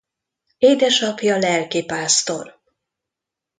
Édesapja lelkipásztor.